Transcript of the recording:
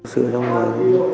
sự trong đời